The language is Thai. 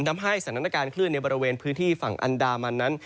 ทำให้สถานการณ์คลื่นในบริเวณพื้นที่ฝั่งอันดามันนั้น